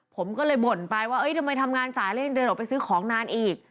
ผมก็เลยบ่นไปว่าทำไมทำงานสายแล้วยังเดินออกไปซื้อของนานอีก